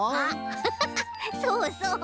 ハハハハそうそう。